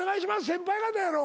先輩方やろ。